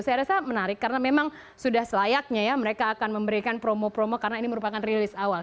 saya rasa menarik karena memang sudah selayaknya ya mereka akan memberikan promo promo karena ini merupakan rilis awal